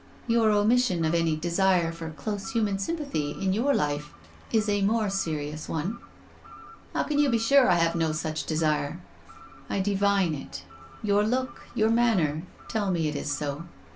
" Your omission of any desire for close human sympathy in your life is a more serious one." " How can you be sure I have no such desire ?"" I divine it. Your look, your manner, tell me it is so.